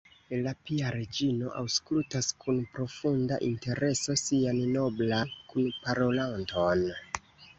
La pia reĝino aŭskultas kun profunda intereso sian noblan kunparolanton.